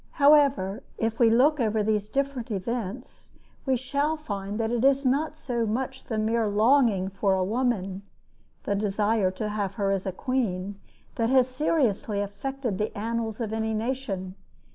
However, if we look over these different events we shall find that it is not so much the mere longing for a woman the desire to have her as a queen that has seriously affected the annals of any nation.